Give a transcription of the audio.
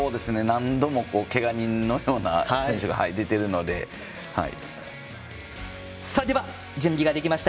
何度もけが人のような選手が準備ができました。